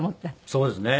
そうですね。